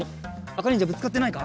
あかにんじゃぶつかってないか？